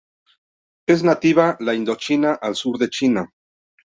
Es nativa de Indochina al sur de China.